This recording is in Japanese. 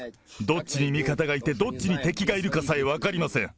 どっちに味方がいて、どっちに敵がいるかさえ分かりません。